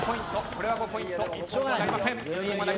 これは５ポイント。